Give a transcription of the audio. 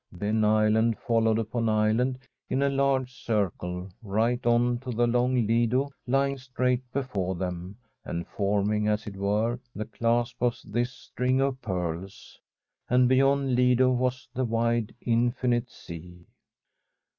Then island fol lowed upon island in a large circle, right on to the long Lido lying straight before them, and forming, as it were, the clasp oiF this string of pearls. And beyond Lido was the wide, infinite sea.